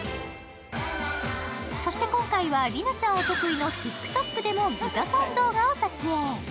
そして今回は莉菜ちゃんお得意のＴｉｋＴｏｋでも豚さん動画を撮影。